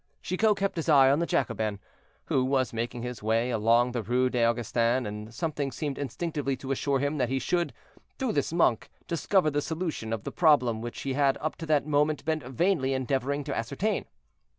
Chicot kept his eye upon the Jacobin, who was making his way along the Rue des Augustins, and something seemed instinctively to assure him that he should, through this monk, discover the solution of the problem which he had up to that moment been vainly endeavoring to ascertain.